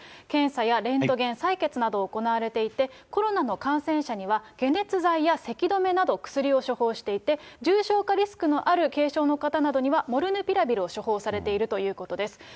検査やレントゲン、採血などを行われていて、コロナの感染者には、解熱剤やせき止めなど、薬を処方していて、重症化リスクのある軽症の方などには、モルヌピラビルを処方されているということです。